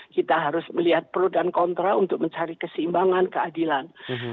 kita harus melihat pro dan kontra untuk mencari keseimbangan keadilan